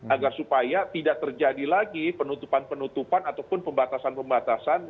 agar supaya tidak terjadi lagi penutupan penutupan ataupun pembatasan pembatasan